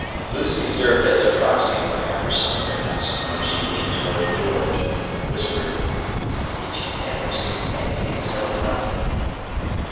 Lucy served as a proxy for Amberson, perhaps, when she leaned toward George and whispered: "Did you ever see anything so lovely?"